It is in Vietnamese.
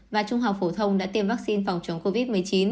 và trung học phổ thông đã tiêm vaccine phòng chống covid một mươi chín